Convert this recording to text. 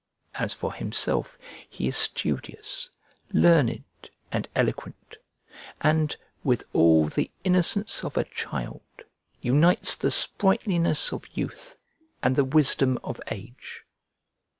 As for himself, he is studious, learned, and eloquent, and, with all the innocence of a child, unites the sprightliness of youth and the wisdom of age.